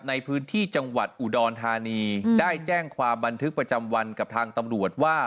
ในพื้นที่จังหวัดอุดรธานีได้แจ้งความบันทึกประจำวันกับทางตำรวจว่า